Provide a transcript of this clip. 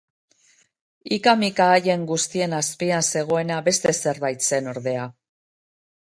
Ika-mika haien guztien azpian zegoena beste zerbait zen, ordea.